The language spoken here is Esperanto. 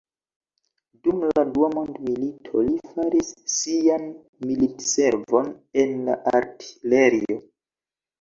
Dum la dua mondmilito, li faris sian militservon en la artilerio.